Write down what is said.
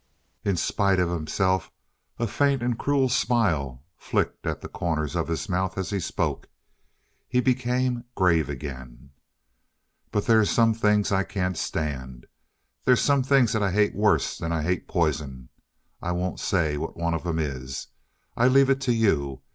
In spite of himself a faint and cruel smile flickered at the corners of his mouth as he spoke. He became grave again. "But they's some things I can't stand. They's some things that I hate worse'n I hate poison. I won't say what one of 'em is. I leave it to you.